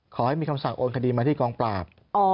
ขอให้มีคำสั่งโอนคดีมาที่กองปราบ